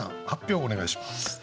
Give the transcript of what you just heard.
発表をお願いします。